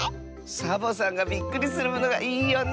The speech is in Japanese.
サボさんがびっくりするものがいいよねえ。